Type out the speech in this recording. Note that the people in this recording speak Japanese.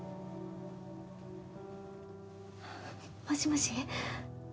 もしもし。